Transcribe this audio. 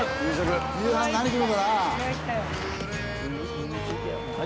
夕飯何食うのかな？